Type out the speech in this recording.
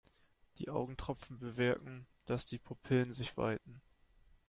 Die Augentropfen bewirken, dass die Pupillen sich weiten.